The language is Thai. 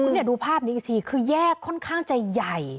นี่ดูภาพนี้อีกทีคือแยกค่อนข้างจะใหญ่